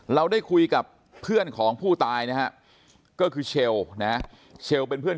เราได้คุยกับเพื่อนของผู้ตายนะฮะก็คือเชลนะเชลเป็นเพื่อน